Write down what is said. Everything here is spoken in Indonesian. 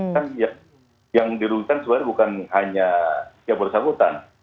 kan yang dirugikan sebenarnya bukan hanya siapun yang disambutan